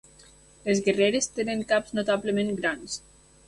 Les guerreres tenen caps notablement grans.